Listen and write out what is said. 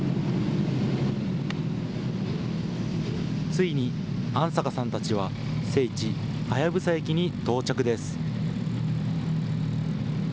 ついに安坂さんたちは聖地、隼駅に到着です。